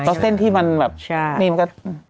แล้วเส้นที่มันแบบนี่มันก็